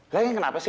lagi kenapa sih